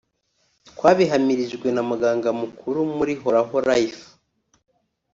twabihamirijwe kandi na muganga mukuru muri Horaho Life